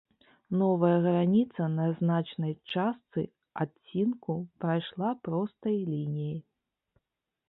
Новая граніца на значнай частцы адцінку прайшла простай лініяй.